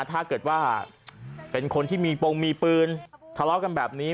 ถ้าเกิดว่าเป็นคนที่มีปงมีปืนทะเลาะกันแบบนี้